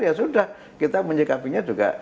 ya sudah kita menyikapinya juga